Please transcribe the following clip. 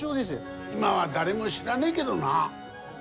今は誰も知らねえげどな。